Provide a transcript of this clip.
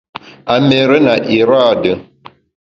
A méére na iraade.